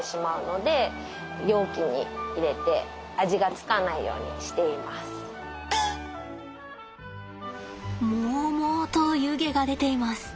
ほかのものにもうもうと湯気が出ています。